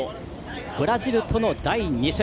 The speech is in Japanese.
ブラジルとの第２戦。